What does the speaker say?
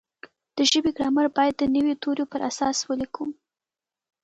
د ژبې ګرامر باید د نویو تیوریو پر اساس ولیکو.